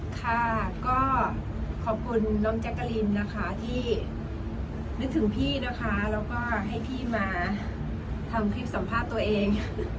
ค่ะก็ขอบคุณน้องแจ๊กกะลินนะคะที่นึกถึงพี่นะคะแล้วก็ให้พี่มาทำคลิปสัมภาษณ์ตัวเอง